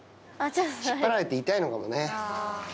引っ張られて痛いのかもね。